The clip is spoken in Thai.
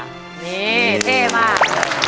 นี่เท่มาก